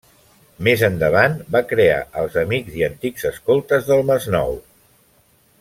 Més endavant, va crear els Amics i Antics Escoltes del Masnou.